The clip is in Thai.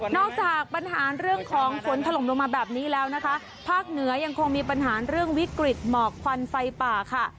จากปัญหาเรื่องของฝนถล่มลงมาแบบนี้แล้วนะคะภาคเหนือยังคงมีปัญหาเรื่องวิกฤตหมอกควันไฟป่าค่ะ